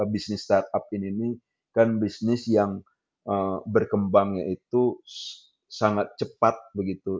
bisnis startup ini kan bisnis yang berkembangnya itu sangat cepat begitu